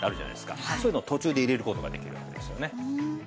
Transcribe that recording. そういうのを途中で入れる事ができるわけですよね。